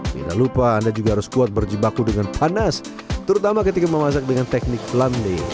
jika lupa anda juga harus kuat berjebaku dengan panas terutama ketika memasak dengan teknik flamde